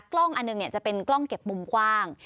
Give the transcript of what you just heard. กล้องอันหนึ่งจะเป็นกล้องเก็บมุมกว้าง